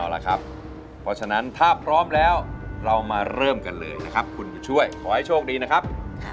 เอาล่ะครับเพราะฉะนั้นถ้าพร้อมแล้วเรามาเริ่มกันเลยนะครับคุณบุญช่วยขอให้โชคดีนะครับ